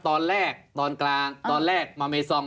ตอนแรกตอนกลางตอนแรกมาเมซอง